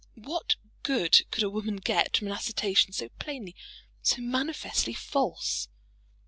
What good could a woman get from an assertion so plainly, so manifestly false?